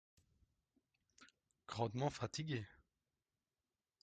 Grandement fatigué.